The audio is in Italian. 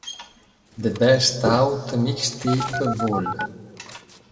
The Best Out Mixtape Vol.